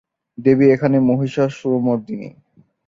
দেবী এখানে মহিষাসুরমর্দিনী।